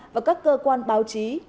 và các cơ quan báo chí